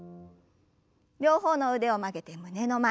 両方の腕を曲げて胸の前に。